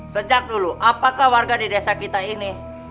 sejak dulu apakah warga di desa kita ini